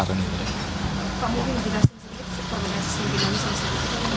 bapak mungkin jelasin sedikit perbedaan sistem di dalam sistem itu